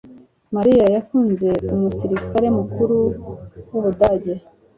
Mariya yakunze umusirikare mukuru wUbudage